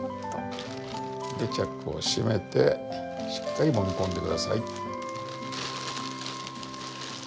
でチャックを閉めてしっかりもみ込んで下さい。